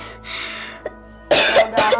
kalau sudah habis kan